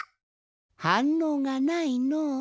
はんのうがないのう。